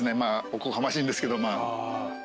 おこがましいんですけどまあ。